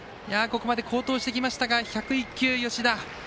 ここまで好投してきましたが１０１球、吉田。